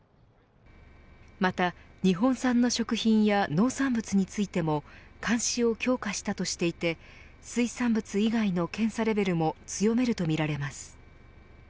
また日本産の食品や農産物についても監視を強化したとしていて水産物以外の検査レベルも強めるとみられます。